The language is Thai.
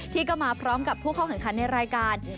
ที่ก็มาพร้อมกับผู้เข้าแข่งขันในรายการ